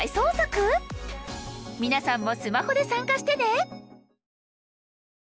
皆さんもスマホで参加してね！